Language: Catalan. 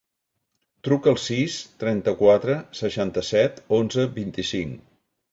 Truca al sis, trenta-quatre, seixanta-set, onze, vint-i-cinc.